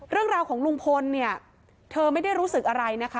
เรื่องราวของลุงพลเนี่ยเธอไม่ได้รู้สึกอะไรนะคะ